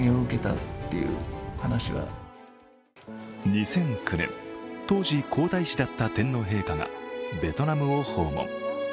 ２００９年、当時皇太子だった天皇陛下がベトナムを訪問。